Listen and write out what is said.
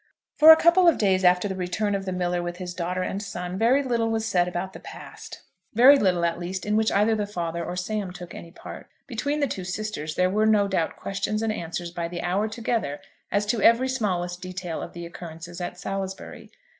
For a couple of days after the return of the miller with his daughter and son, very little was said about the past; very little, at least, in which either the father or Sam took any part. Between the two sisters there were no doubt questions and answers by the hour together as to every smallest detail of the occurrences at Salisbury.